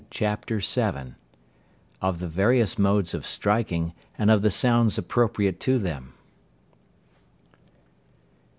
CHAPTER VII. OF THE VARIOUS MODES OF STRIKING, AND OF THE SOUNDS APPROPRIATE TO THEM.